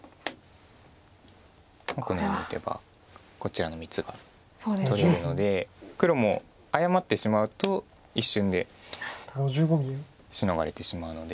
このような手がこちらの３つが取れるので黒も謝ってしまうと一瞬でシノがれてしまうので。